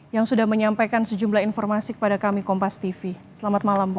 yang sudah menyampaikan sejumlah informasi kepada kami kompas tv selamat malam bu